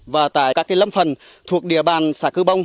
và tại các lâm phần thuộc địa bàn xã cư bông